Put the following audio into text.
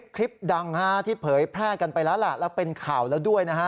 คลิปดังที่เผยแพร่กันไปแล้วล่ะแล้วเป็นข่าวแล้วด้วยนะฮะ